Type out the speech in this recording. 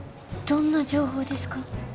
どんな情報ですか？